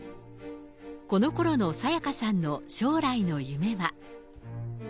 このころの沙也加さんの将来の夢は。